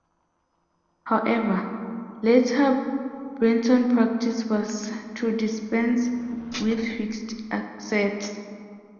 However, later Brighton practise was to dispense with fixed sets.